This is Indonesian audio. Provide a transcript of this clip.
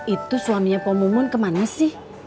itu suaminya poh mumun kemana sih